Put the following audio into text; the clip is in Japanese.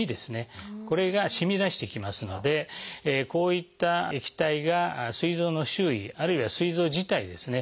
これがしみ出してきますのでこういった液体がすい臓の周囲あるいはすい臓自体ですね